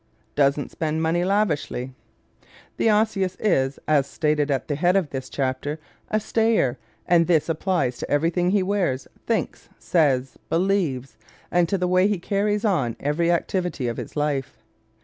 Doesn't Spend Money Lavishly ¶ The Osseous is, as stated at the head of this chapter, a "stayer" and this applies to everything he wears, thinks, says, believes, and to the way he carries on every activity of his life.